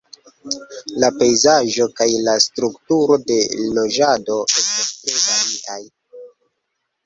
La pejzaĝo kaj la strukturo de loĝado estas tre variaj.